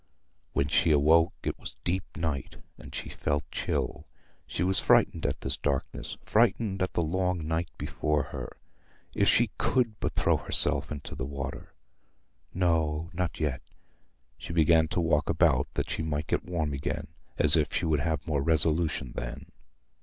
When she awoke it was deep night, and she felt chill. She was frightened at this darkness—frightened at the long night before her. If she could but throw herself into the water! No, not yet. She began to walk about that she might get warm again, as if she would have more resolution then.